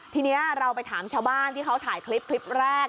ทีนี้เราไปถามชาวบ้านที่เขาถ่ายคลิปคลิปแรก